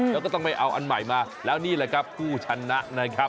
แล้วก็ต้องไปเอาอันใหม่มาแล้วนี่แหละครับผู้ชนะนะครับ